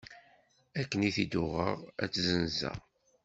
Akken i t-id-uɣeɣ, ad t-zzenzeɣ.